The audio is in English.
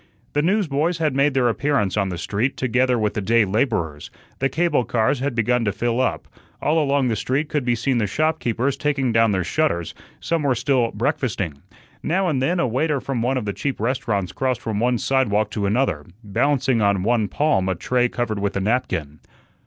The newsboys had made their appearance on the street, together with the day laborers. The cable cars had begun to fill up; all along the street could be seen the shopkeepers taking down their shutters; some were still breakfasting. Now and then a waiter from one of the cheap restaurants crossed from one sidewalk to another, balancing on one palm a tray covered with a napkin.